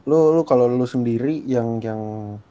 lu lu kalo lu sendiri yang yang